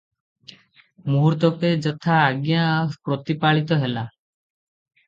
ମୁହୂର୍ତ୍ତକେ ଯଥା ଆଜ୍ଞା ପ୍ରତିପାଳିତ ହେଲା ।